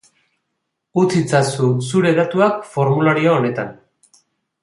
Utz itzazu zure datuak formulario honetan.